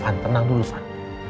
van tenang dulu van